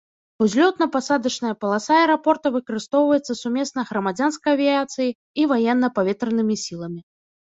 Узлётна-пасадачная паласа аэрапорта выкарыстоўваецца сумесна грамадзянскай авіяцыяй і ваенна-паветранымі сіламі.